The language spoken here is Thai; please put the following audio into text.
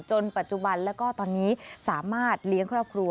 ปัจจุบันแล้วก็ตอนนี้สามารถเลี้ยงครอบครัว